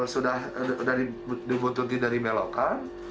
sudah dibutuhkan dari belokan